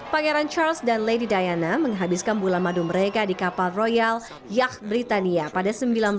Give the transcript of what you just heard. pangeran charles dan lady diana menghabiskan bulan madu mereka di kapal royal yach britania pada seribu sembilan ratus sembilan puluh